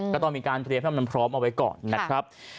ก็ต้องมีการเตรียมให้มันพร้อมเอาไว้ก่อนนะครับ